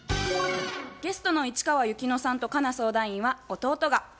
ゲストの市川由紀乃さんと佳奈相談員は「弟が」。